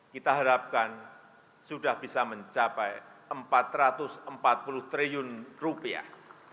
kita harapkan sudah bisa mencapai empat ratus empat puluh triliun rupiah